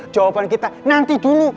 jawaban kita nanti dulu